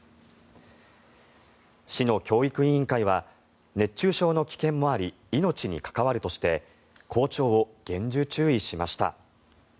市の教育委員会は熱中症の危険もあり命に関わるとして校長を厳重注意しました。